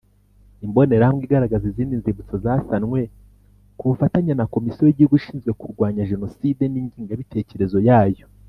Imbonerahamwe igaragaza izindi nzibutso zasanwe ku bufatanye na Komisiyo y’igihugu ishinzwe kurwanya jenocide n’ingengabitekerezo yayo.